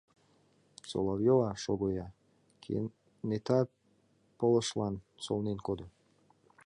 Соловьёва, шого-я! — кенета пылышлан солнен кодо.